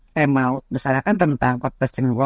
saya mau bersarankan tentang faktor timun bos